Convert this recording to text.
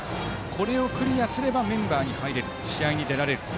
これをクリアすればメンバーに入れる試合に出られる。